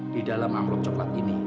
di dalam anggrup coklat ini